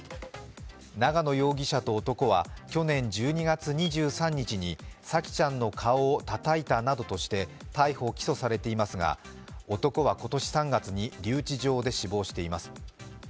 長野容疑者と男は去年１２月２３日に沙季ちゃんの顔をたたいたなどとして逮捕・起訴されていますが男は今年３月に留置場で死亡しています。